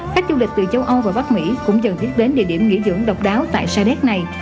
khách du lịch từ châu âu và bắc mỹ cũng dần thiết đến địa điểm nghỉ dưỡng độc đáo tại sa đếc này